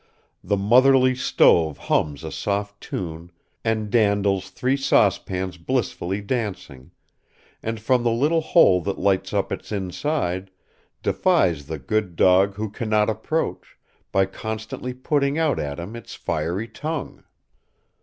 The motherly stove hums a soft tune and dandles three saucepans blissfully dancing; and, from the little hole that lights up its inside, defies the good dog who cannot approach, by constantly putting out at him its fiery tongue.